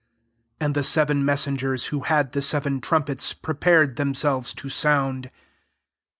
6 And the seven messengers who had the seven trumpets, prepared themselves to sound.